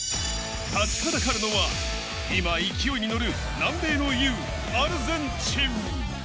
立ちはだかるのは、今、勢いに乗る南米の雄・アルゼンチン。